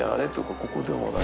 ここでもない。